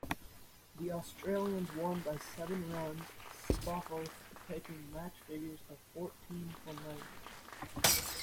The Australians won by seven runs, Spofforth taking match figures of fourteen for ninety.